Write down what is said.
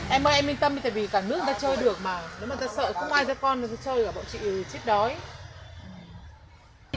em ơi em yên tâm vì cả nước người ta chơi được mà nếu mà sợ không ai ra con thì người ta chơi cả bọn chị chết đói